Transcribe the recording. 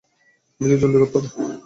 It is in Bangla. বিয়ে জলদি করতে হবে।